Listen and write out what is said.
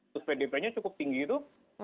suspedepenya cukup tinggi itu